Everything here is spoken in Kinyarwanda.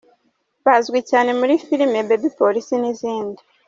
Bazwi cyane muri filimi Baby Polisi n'izindi.